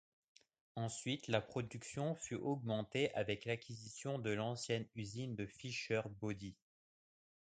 Ensuite la production fut augmentée avec l'acquisition de l'ancienne usine de Fisher Body.